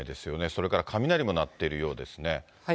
それから雷も鳴っているようですね。